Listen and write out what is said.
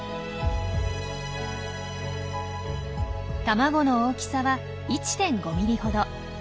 卵の大きさは１．５ｍｍほど。